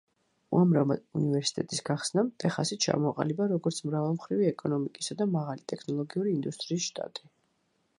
უამრავმა უნივერსიტეტის გახსნამ ტეხასი ჩამოაყალიბა როგორც მრავალმხრივი ეკონომიკისა და მაღალი ტექნოლოგიური ინდუსტრიის შტატი.